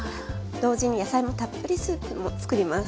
同時に野菜のたっぷりスープも作ります。